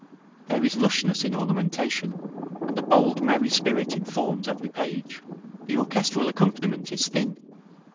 There is lushness in ornamentation, and a bold, merry spirit informs every page. The orchestral accompaniment is thin.